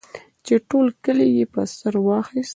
چې ټول کلی یې په سر واخیست.